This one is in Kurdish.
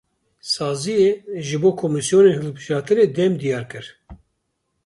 Saziyê, ji bo komisyonên hilbijartinê dem diyar kir.